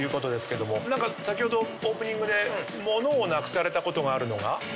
何か先ほどオープニングで物をなくされたことがあるのが？